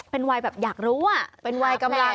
เป็นวัยแบบอยากรู้อ่ะ